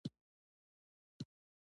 زما تګ به ونه وینې